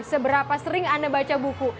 seberapa sering anda baca buku